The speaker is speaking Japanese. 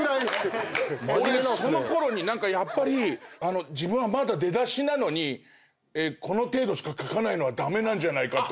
俺そのころにやっぱり自分はまだ出だしなのにこの程度しか書かないのは駄目なんじゃないかと思って。